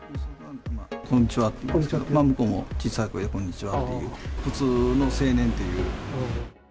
こんにちはって言うと、向こうも小さい声でこんにちはって言う、普通の青年っていう。